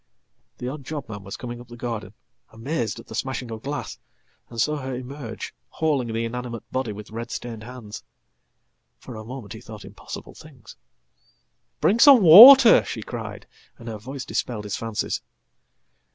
The odd job man was coming up the garden, amazed at the smashing of glass, and saw her emerge, hauling the inanimate body with red stained hands. Fora moment he thought impossible things."Bring some water!" she cried, and her voice dispelled his fancies.